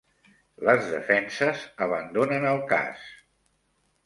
Les defenses abandonen el cas